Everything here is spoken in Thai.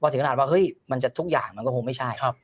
ถึงขนาดว่าเฮ้ยมันจะทุกอย่างมันก็คงไม่ใช่